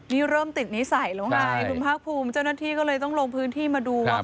นี่เริ่มติดนิสัยแล้วไงคุณภาคภูมิเจ้าหน้าที่ก็เลยต้องลงพื้นที่มาดูว่า